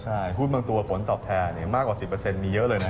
ใช่หุ้นบางตัวผลตอบแทนมากกว่า๑๐มีเยอะเลยนะ